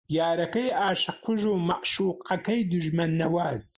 یارەکەی عاشق کوژ و مەعشووقەکەی دوژمن نەواز